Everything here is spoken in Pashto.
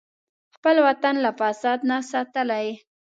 خپل وطن له فساد نه ساتلی.